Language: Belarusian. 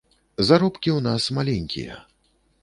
Заробкі ў нас маленькія.